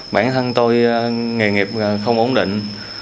bản thân tôi nghề nghiệp không ổn định